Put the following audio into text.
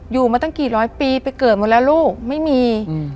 อยู่มาตั้งกี่ร้อยปีไปเกิดหมดแล้วลูกไม่มี